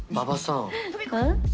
ん？